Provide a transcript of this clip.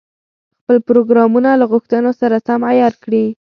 خپل پروګرامونه له غوښتنو سره سم عیار کړي.